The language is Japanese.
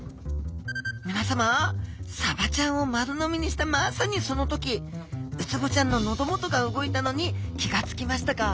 みなさまサバちゃんを丸飲みにしたまさにその時ウツボちゃんの喉元が動いたのに気が付きましたか？